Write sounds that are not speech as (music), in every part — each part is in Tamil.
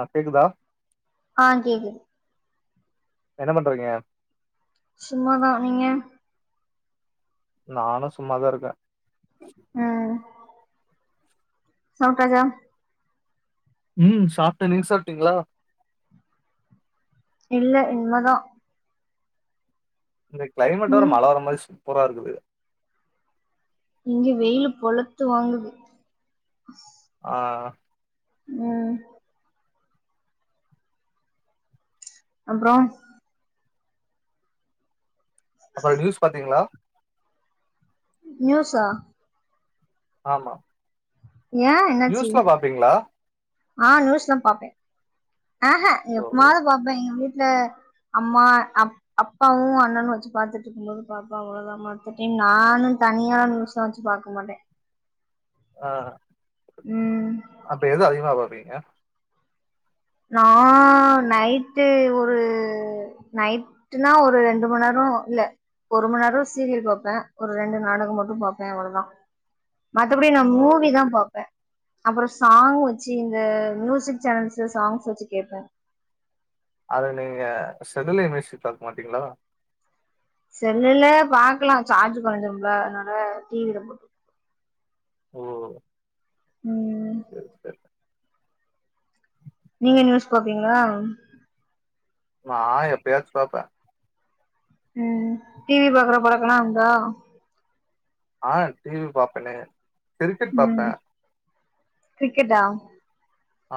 ஆ கேக்குதா ஆ கேக்குது என்ன பண்றீங்க சும்மாதா நீங்க நானு சும்மாதா இருக்கே ம் சாப்ட்டாச்சா ம் சாப்ட்டே நீங்க சாப்ட்டீங்களா இல்ல இன்மதா இந்த கிளைமேட் வேற ம் மழ வர மாரி சூப்பரா இருக்குது இங்க வெயிலு பொலத்து வாங்குது ஆ ம் அப்றோ அப்றோ நியூஸ் பாத்தீங்களா நியூஸ்ஸா ஆமா ஏன் என்னாச்சி நியூஸ்லா பாப்பீங்களா ஆ நியூஸ்லா பாப்பே அஹன் ஓ எப்பமாவது பாப்பே எங்க வீட்டுல அம்மா அப் அப்பாவு அண்ணனு வச்சு பாத்துட்டு இருக்குபோது பாப்பா அவ்ளோவு (inaudible) நா ஒன்னு தனியால்லா நியூஸ்ல வச்சி பாக்கமாட்டே ஆ ம் அப்ப எது அதிகமா பாப்பீங்க நா நைட்டு ஒரு நைட்னா ஒரு ரெண்டு மணி நேரோ இல்ல ஒரு மண் நேரோ சீரியல் பாப்பே ஒரு ரெண்டு நாடகோ மட்டு பாப்பே அவ்ளோதா மத்தபடி நா ஓ மூவிதா பாப்பே அப்றோ சாங் வச்சு இந்த மியூசிக் சேனல்ஸ்ல சாங்ஸ்ஸு வச்சு கேட்பே அதுல நீங்க (unintelligible) பாக்கமாட்டீங்களா செல்லுல பாக்கலா சார்ஜ் கொறஞ்சிரும்ல அதனால டி வி ல போட் ஓ ம் சரி சரி நீங்க நியூஸ் பாப்பீங்களா நா எப்பயாச்சு பாப்பே ம் டி வி பாக்குற பழக்கல்லா இருந்தா ஆ டி வி பாப்பனே ம் கிரிக்கெட்டா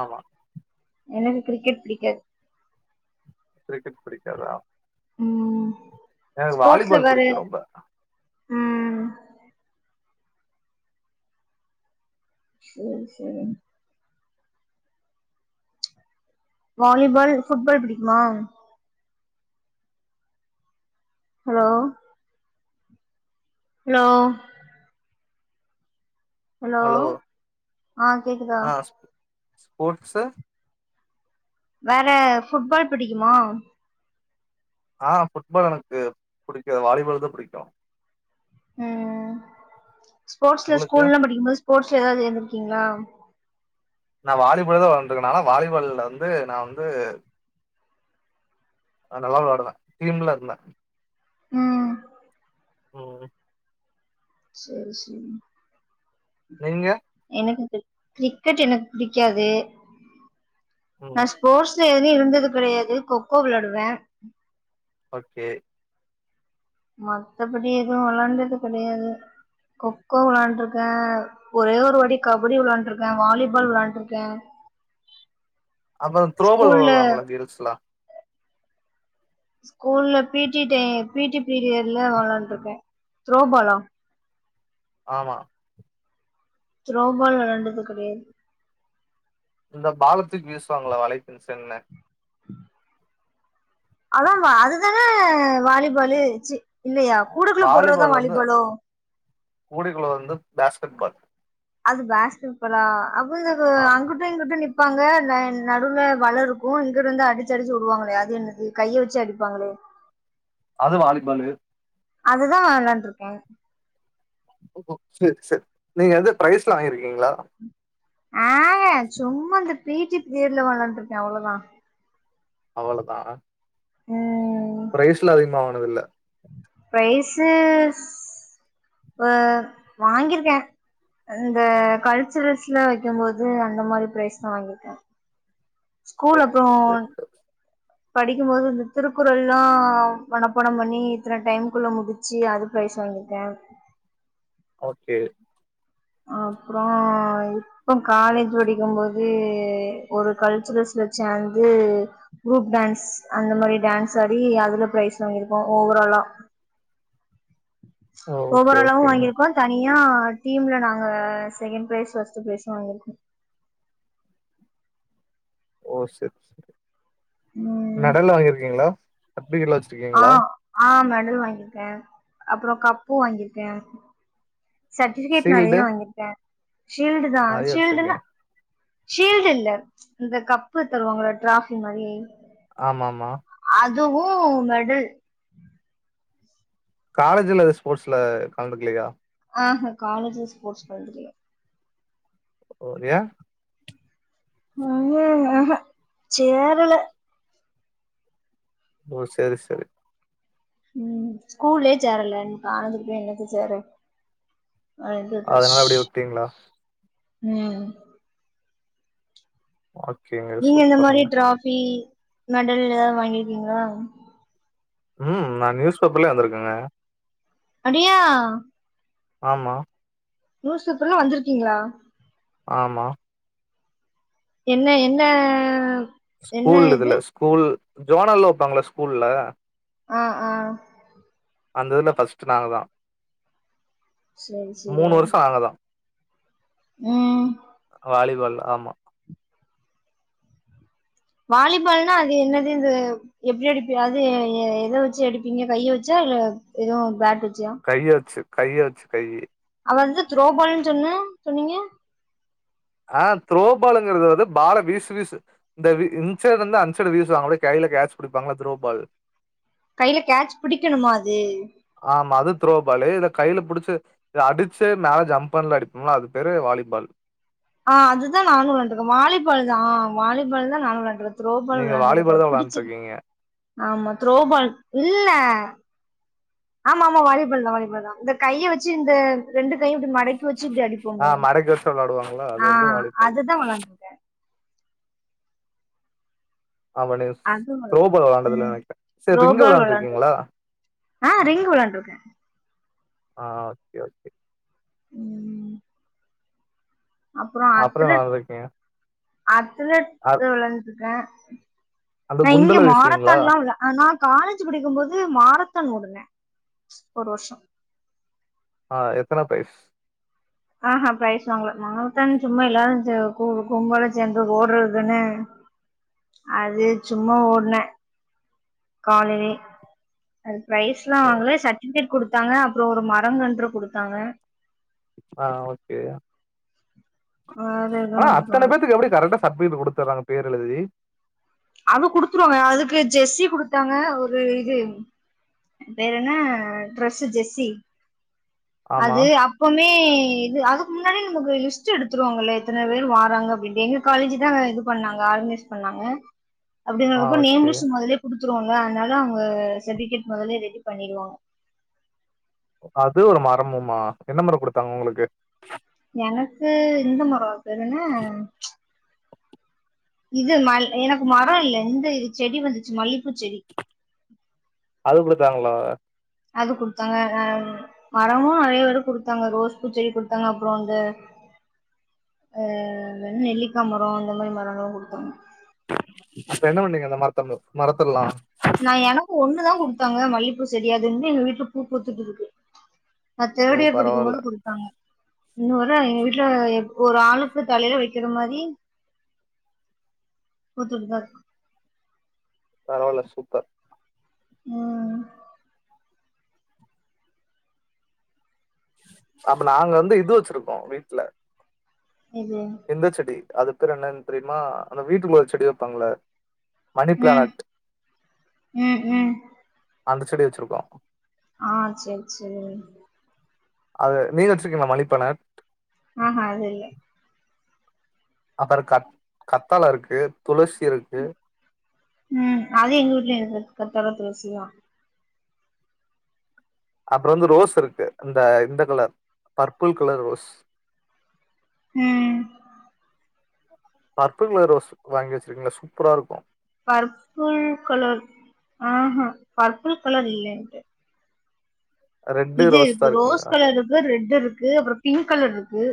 ஆமா எனக்கு கிரிக்கெட் பிடிக்காது கிரிக்கெட் பிடிக்காதா ம் எனக்கு ஸ்போர்ட்ஸ்ல வாலிபால் வேற புடிக்கு ரொம்ப ம் சரி சரி வாலிபால் ஃபுட்பால் பிடிக்குமா ஹலோ ஹலோ ஹலோ ஆ கேக்குதா ஆ ஸ் ஸ்போர்ட்ஸு வேற ஃபுட்பால் பிடிக்குமா ஆ ஃபுட்பால் எனக்கு புடிக்க வாலிபால் தா புடிக்கு ம் ஸ்போர்ட்ஸ்ல உங்களுக்கு ஸ்கூலல்லல்லா படிக்கும் போது ஸ்போர்ட்ஸ்ல ஏதாவது இருந்திருக்கீங்களா நா வாலிபால் தா வெளாண்ருக்கே நாளா வாலிபால்ல வந்து நா வந்து நா நல்லா விளாடுவே டீம்ல இருந்தே ம் ஓ சரி சரி நீங்க எனக்கு கிரிக்கெட் எனக்கு பிடிக்காது ம் நா ஸ் ஸ்போர்ட்ஸ்ல எதுவு இருந்தது கெடையாது கொக்கோ விளாடுவே ஓகே மத்தபடி எதுவு விளாண்டது கெடையாது கொக்கோ விளாண்ட்ருக்கே ஒரே ஒரு வாட்டி கபடி விளாண்ட்ருக்கே வாலிபால் விளாண்ட்ருக்கே அப்பற த்ரோபால் ஸ்கூல்ல விளாடுவாங்கள கில்ஸ்ளா ஸ்கூல்ல பீ டி டை பீ டி பீரியட்ல வெளாண்ட்ருக்கே த்ரோபாலா ஆமா த்ரோபால் விளாண்டது கெடையாது இந்த பாலத்துக்கு வீசுவாங்களா வளைக்குன்சன்னு ம் அத வா அதுதான வாலிபாலு சீ இல்லையா கூடக்குள்ள போடுறதா வாலிபாலோ கூடிகுள்ள வந்து பேஸ்கெட்பால் அது பேஸ்கெட்பாலா அது இது ஆமா அங்குட்டு இங்குட்டு நிப் ப்பாங்க ந நடுல வல இருக்கு இங்கருந்து அடிச்சு அடிச்சு விடுவாங்களே அது என்னது கைய வச்சு அடிப்பாங்களே அது வாலிபாலு அதுதா விளாண்ட்ருக்கே ஓ சரி சரி நீங்க எந்த பிரைஸ்லா வாங்கிருக்கீங்களா ஆக சும்மா அந்த பீட்டி பீரியட்ல விளான்ட்ருக்கே அவ்வளவுதா அவ்வளதா ம் பிரைஸ்ல அதிகமா வாங்குனதில்ல ப்ரைஸு வாங்கிருக்கே இந்த கல்ச்சுரல்ஸ்ல வைக்கும்போது அந்த மாதிரி பிரைஸ்தா வாங்கிருக்கே ஓ ஸ்கூல் அப்புறோ ஓகே படிக்கும் போது இந்த திருக்குறள்லாம் மனப்பாடம் பண்ணி இத்தன டைம்குள்ள முடி ச்சி அது ப்ரைஸ் வாங்கிருக்கே ஓகே அப்புறோ இப்ப காலேஜ் படிக்கும் போது ஒரு கல்ச்சுரல்ஸ்ல சேந்து குரூப் டான்ஸ் அந்த மாரி டான்ஸ் ஆடி அதுல ப்ரைஸ் வாங்கிருக்கோ ஓவராலா ஓ ஓகே ஓவராலவு ஓகே வாங்கிருக்கோ தனியா டீம்ல நாங்க செகண்ட் ப்ரைஸ் ஃபர்ஸ்ட் ப்ரைஸ் வாங்கிருக்கோ ஓ சரி சரி ம் மெடல் வாங்கிருக்கீங்களா சர்டிபிகேட்லா ஆ வச்சிருக்கீங்களா ஆ மெடல் வாங்கிருக்கேன் அப்புறம் கப்பு வாங்கிருக்கேன் சர்ட்டிபிகேட் நிறைய ஷீல்டு வங்கிருக்கேன் ஷீல்டு தான் நெறைய ஷீல்டுல வச்சிருக்கே ஷீல்டு இல்ல இந்த கப்பு தருவாங்களா டிராஃபி மாதிரி ஆமா ஆமா அதுவு மெடல் காலேஜ்ல ஸ்போர்ட்ஸ்ல கலந்துக்கலையா ஆஹா காலேஜ் ல ஸ்போர்ட்ஸ் கலந்துக்கல ஏன் உண்மையாங்க சேரல ஓ சேரி சேரி ம் ஸ்கூல்லயே சேரல அங்க காலேஜ்ல போய் என்னத்த சேர அப்டின்ட்டு விட்டாச்சு அதனால அப்டியே விட்டீங்களா ம் ஓகேங்க நீங்க இந்த மாரி சூப்பருங்க டிராஃபி மெடல் ஏதாவது வாங்கிருக்கீங்களா ம் நா நியூஸ் பேப்பர்லயே வந்திருக்கேங்க அப்டியா ஆமா நியூஸ் பேப்பர்ல வந்துருக்கீங்களா ஆமா என்ன என்ன என்ன ஸ்கூல் இது இதுல ஸ்கூல் ஜோனல் வப்பாங்கள்ல ஸ்கூல்ல ஆ ஆ அந்த இதுல ஃபர்ஸ்ட் நாங்க தா சேரி சேரி மூணு வருஷோ நாங்க தா வாலிபால் ஆமா வாலிபால்னா அது என்னது இந்த எப்படி அடிப்ப அது எத வச்சு அடிப்பீங்க கைய வச்சா இல்ல எதுவும் பேட் வச்சா கைய வச்சு கைய வச்சு கை அவ வந்து த்ரோபால்ன்னு சொன்ன சொன்னீங்க ஆ த்ரோபாலுங்கிறது வந்து பால வீசு வீசு இந்த இந்சைடுலருந்து அந்சைடு வீசுவாங்கள கையில கேட்ச் பிடிப்பாங்களா த்ரோபால் கையில கேச் புடிக்கணுமா அது ஆமா அது துரோபாளு இத கையில புடிச்சு இது அடிச்சே மேல ஜம்ப் பண்ணல அடிப்போம்லா அது பேரு வாலிபால் ஆ அதுதா நானு வெளாண்டுருக்கே வாலிபால் தா வாலிபால் தான் நானு வெளாண்டுருக் த்ரோபால் நீங்க விளாண்ட்ருக்க வாலிபால் தான் புடிச்சிருக் விளையாண்ட்ருக்கீங்க. ஆமா த்ரோபால் இல்ல ஆமா ஆமா வாலிபல் தா வாலிபல் தா இந்த கைய வச்சு இந்த ரெண்டு கையு இப்டி மடக் கி வச்சு இப்டி ஆ அடிப்போங்க மடக்கி வச்சு விளையாடுவாங்கல்ல அது ஆ வந்து வாலிபால். அதுதா விளாண்டிரு ஆமா (unintelligible) அது துரோபால் விளாண்டதுல ம் நெனைக்கிற செரி ரிங்கு த்ரோபால் விளாண்டு விளயாண்டுருக்கீங்களா ஆ ரிங் விளானட்ருக்கே ஆ ஓகே ஓகே ம் அப்றோ (unintelligible) அத்லெட் வெள்ளண்டுருக்கா அந்த நா இங்க குண்டுல வீசுவீங்களா? மாரத்தான்ல்லா விள ஆ நா காலேஜ்ஜி படிக்கபோது மாரத்த ஓடுனே ஒரு வர்ஷோ ஆ எத்தன ப்ரைஸ் ஆஹ் ப்ரைஸ் வாங்கல மாரத்தன் சும்மா எல்லாரு சே கு கும்பலா சேந்து ஓடுறதுதன அது சும்மா ஓடுனே காலலே அது ப்ரைஸ்லா ஓ! வாங்கல சர்ட்டிபிகேட் குடுத்தாங்க அப்றோ ஒரு மரங்கன்று குடுத்தாங்க ஆ ஓகே வேற ஆனா எதுவு அத்தன பேத்துக்கு எப்டி கரட்டா சர்ட்பிகேட் குடுத்துறாங்க பேர் எழுதி அது குடுத்துருவாங்க அதுக்கு ஜெஸ்ஸி குடுத்தாங்க ஒரு இது பேர் என்ன டிரஸ்ஸு ஜெஸி ஆமா. அது அப் எப்வுமே இது அதுக்கு முன்னாடி நமக்கு லிஸ்ட்டு எடுத்துருவாங்கல்ல இத்தன பேரு வராங்க அப்டி இப்டின்னு காலேஜ்ஜி தா ஆ இது பண்ணாங்க ஆர்கனைஸ் பண்ணாங்க ஆ அப்டிங்கறப்போ ஓகே. நேம்லிஸ்ட் மொதலே குடுத்துருவோல அதனால அவ்ங்க சர்டிபிகேட் மொதல்லே ரெடி பண்ணிடுவாங்க அது ஒரு மரமுமா என்ன மர குடுத்தாங்க உங்களுக்கு எனக்கு இந்த மரோ அது பேரு என்ன இது மல் எனக்கு மரோ இல்ல இந்த இது செடி வந்துச்சு மல்லிப்பூ செடி அது குடுத்தாங்களா அது குடுத்தாங்க அ மரமு நெறைய பேரு குடுத்தாங்க ரோஸ் பூச்செடி குடுத்தாங்க அப்றோ அந்த ஆ வே நெல்லிக்கா மரோ இந்த மெரி மரோல்ல குடுத்தாங்க இப்ப என்ன பண்ணீங்க அந்த மரத்த மு மரத்தலா நா எனக்கு ஒண்ணுதா குடுத்தாங்க மல்லிப்பூ செடி அது இன்னு எங்க வீட்டுல பூ பூத்துட்டுருக்கு நா ஓ தேடியர் படிக்கு பரவால்ல போது குடு த்தாங்க இன்னோ வர எங்க வீட்டுல எப் ஒரு ஆளுக்கு தலயில வைக்கிற மாரி புத்துட்டு தாருக் பரவால்ல சூப்பர் ம் அப்ப நாங்க வந்து இது வச்சிருக்கோ வீட்ல இது இந்த செடி அது பேரு என்னன்னு தெரியுமா அந்த வீட்டுக்குள்ள ஒரு செடி வைப்பாங்கள மணி ம் பிளானட் ம் ம் அந்த செடி வச்சிருக்கோ ஆ செரி செரி அது நீங்க வச்சிருக்கீங்களா மலிப்பண ஆஹா அது இல்ல அப்பற கத் கத்தால இருக்கு துளசி இருக்கு ம் அது எங்க வூட்லயு இருக்கு கத்தால துளசி எல்லா அப்புற வந்து ரோஸ் இருக்கு இந்த இந்த கலர் பர்ப்பிள் கலர் ரோஸ் ம் பர்பில் கலர் ரோஸ் வாங்கி வச்சிருக்கீங்கலா சூப்பரா இருக்கு பர்பிள் கலர் ஆஹா பர்பிள் கலர் இல்லைண்டு ரெட்டு இது தான் இருக்குங்க ரோஸ் கலர் இருக்கு ரெட் இருக்கு அப்புற பிங்க் கலர் இருக்கு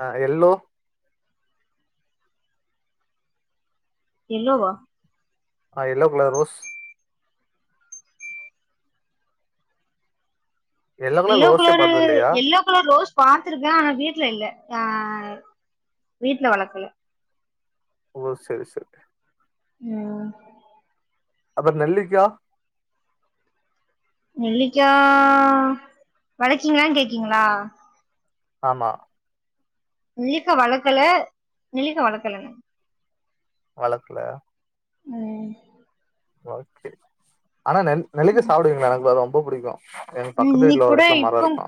ஆ எல்லோ எல்லோவா ஆ yellow colour rose yellow colour ரோஸே எல்லோக்கலரு பார்த்தது எல்லோக் இல்லையா எல்லோ கலர் ரோஸ் பாத்ருக்கே ஆனா வீட்ல இல்ல ஆ வீட்ல வளக்கல ஓ செரி செரி ம் அப்புற நெல்லிக்கா நெல்லிக்கா வளக்கீங்களான் கேக்கீங்களா ஆமா நெல்லிக்கா வளக்கல நெல்லிக்கா வளர்க்கலங்க வளக்கல ம் ஓகே ஆனா நெ நெலிக்கா சாப்டுவிங்களா எனக்கு அது ரொம்ப புடிக்கு எ பக்கத்து வீட்ல ஒரு எடத்துல மர இருக்கு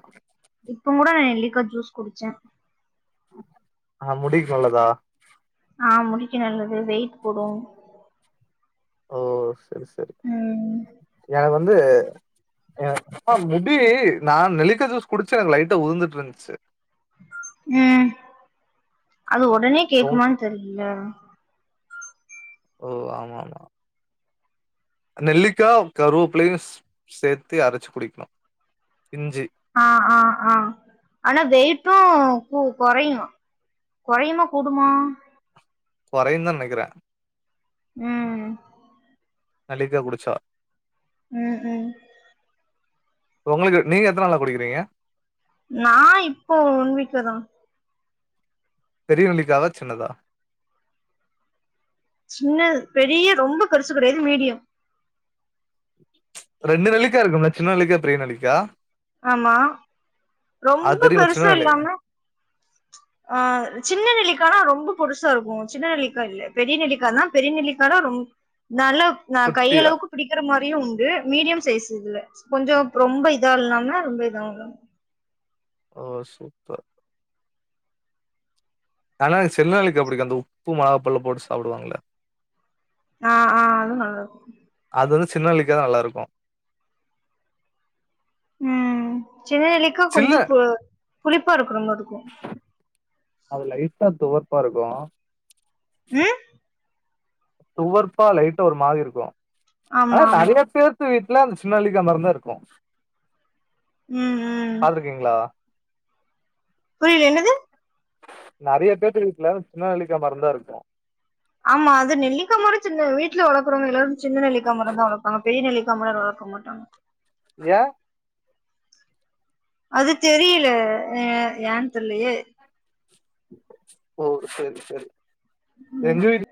இப்பங்கூட நெல்லிக்கா ஜூஸ் குடிச்சே ஆ முடிக்கு நல்லதா ஆ முடிக்கு நல்லது வெயிட் போடு ஓ சரி சரி ம் எனக்கு வந்து எனக்குலா முடி நா நெல்லிக்கா ஜூஸ் குடிச்ச எனக்கு லைட்டா உதுந்துட்டு இருந்துச்சு ம் அது ஒடனே ஓ கேக்குமானு தெரியல ஓ ஆமா ஆமா நெல்லிக்கா கருவேப்புலயு சேத்து அரச்சு குடிக்கணு இஞ்சி ஆ ஆ ஆ ஆனா வெயிட்டு கு கொறையு கொறையுமா கூடும் கொறையுந்தா நெனைக்கிறே ம் நலிக்கா குடிச்சா ம் ம் உங்களுக்கு நீங்க எத்த நாளா குடிக்கிறீங்க நா இப்போ ஒன்வீக்ளதா பெரிய நெல்லிக்காவா சின்னதா சின்னது பெரிய ரொம்ப பெருசு கெடையாது மீடியம் ரெண்டு நெல்லிக்கா இருக்கும்ல சின்ன நெல்லிக்கா பெரிய நெல்லிக்கா ஆமா ரொம்ப அது தெரியுமா பெருசு சின்ன நெல்லி இல்லாம ஆ சின்ன நெல்லிக்கானா ரொம்ப பொடுசா இருக்கு சின்ன நெல்லிக்கா இல்ல பெரிய நெல்லிக்கா தா பெரிய நெல்லிக்கா தா ரொம் நல்ல ந கை குட்டியா அளவுக்கு பிடிக்கற மாரியு உண்டு மீடியம் சைஸ் இதுல கொஞ்சோ ரொம்ப இதா இல்லாம ஆ ரொம்ப இதாவு இல்லாம ஓ சூப்பர் ஆனா சின்ன நெல்லிக்கா புடிக்கு அந்த உப்பு மொளகாப்பள்ள போட்டு சாப்டுவாங்கல்ல ஆ ஆ அது நல்லது அதோட சின்ன நெல்லிக்கா தா நல்லாருக்கு ம் சின்ன நெல்லிக்கா சில்ல கொஞ்சோ பு புளிப்பா இருக்குற மாரிருக்கு அது லைட்டா துவர்ப்பாருக்கு ம் துவர்ப்பா லைட்டா ஒரு மாரிருக்கு ஆனா ஆமா ஆமா நறைய பேரு வீட்ல அந்த சின்ன நெல்லிக்கா மரந்தா இருக்கு ம் ம் பாத்துருக்கீங்ளா புரில என்னது நறைய பேத்து வீட்ல சின்ன நெல்லிக்கா மரந்தா இருக்கு ஆமா அது நெல்லிக்கா மரம் சின்ன வீட்ல வளக்குறவங்க எல்லாரு சின்ன நெல்லிக்கா மரந்தா வளப்பாங்க பெரிய நெல்லிக்கா மரோ வளக்க மாட்டாங்க ய அது தெரியில ய ஏன் தெர்லயே ஓ செரி செரி எங்க வீடு